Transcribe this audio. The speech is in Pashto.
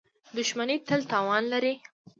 • دښمني تل تاوان لري.